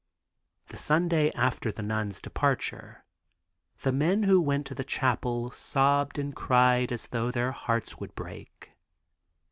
The Sunday after the nuns' departure the men who went to the chapel sobbed and cried as though their hearts would break.